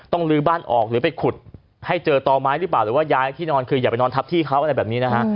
ลื้อบ้านออกหรือไปขุดให้เจอต่อไม้หรือเปล่าหรือว่าย้ายที่นอนคืออย่าไปนอนทับที่เขาอะไรแบบนี้นะฮะ